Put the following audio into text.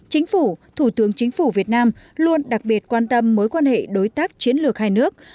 chính phủ thủ tướng chính phủ việt nam luôn đặc biệt quan tâm mối quan hệ đối tác chiến lược hai nước